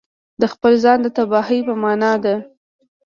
د خپل ځان د تباهي په معنا ده.